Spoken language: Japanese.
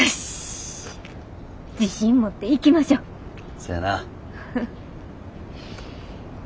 そやな。